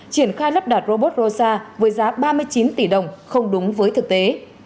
triển khai lắp đặt robot rosa với giá ba mươi chín tỷ đồng không đúng với thực tế